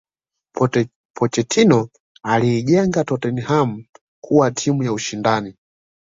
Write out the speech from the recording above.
pochetino aliijenga tottenham kuwa timu ya ushindani